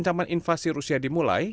ancaman invasi rusia dimulai